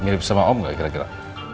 mirip sama om gak gitu